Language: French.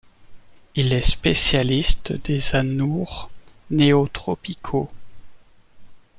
Il est un spécialiste des anoures néotropicaux.